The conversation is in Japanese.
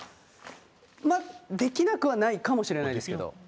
できなくはないかもしれないですけど。